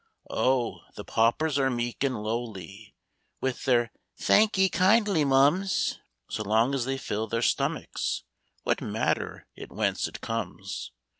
Oh, the paupers are meek and lowly With their " Thank 'ee kindly, mum's"; So long as they fill their stomachs, What matter it whence it comes